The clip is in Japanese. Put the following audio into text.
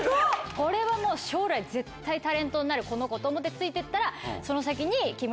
これはもう将来絶対タレントになるこの子と思って付いて行ったらその先に。